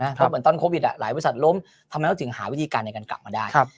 เพราะเหมือนตอนโควิดหลายบริษัทล้มทำไมเราถึงหาวิธีการในการกลับมาได้